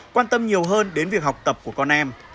quan tâm nhiều hơn đến việc học tập của con em